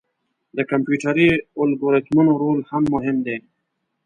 د کمپیوټري الګوریتمونو رول هم مهم دی.